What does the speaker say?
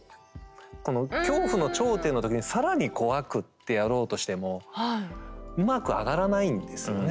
この恐怖の頂点の時に更に怖くってやろうとしてもうまく上がらないんですよね。